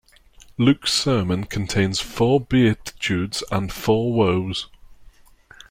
Luke's Sermon contains four Beatitudes and four Woes.